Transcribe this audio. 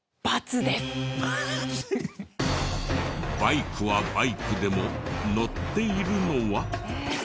バイクはバイクでも乗っているのは？